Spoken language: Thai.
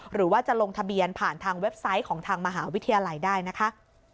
หรือว่าจะลงทะเบียนผ่านทางเว็บไซต์ของทางมหาวิทยาลัยได้นะคะ